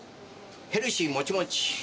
ヘルシーもちもち。